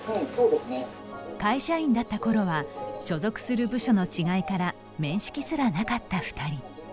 会社員だったころは所属する部署の違いから面識すらなかった２人。